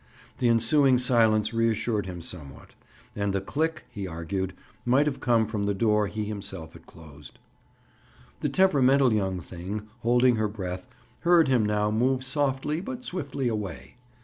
The ensuing silence reassured him somewhat; and the "click," he argued, might have come from the door he himself had closed. The temperamental young thing, holding her breath, heard him now move softly but swiftly away.